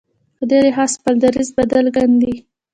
په دې لحاظ خپل دریځ بدل کاندي.